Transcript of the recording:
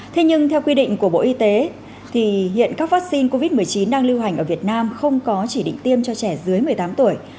thế nhưng theo quy định của bộ y tế thì hiện các vaccine covid một mươi chín đang lưu hành ở việt nam không có chỉ định tiêm cho trẻ dưới một mươi tám tuổi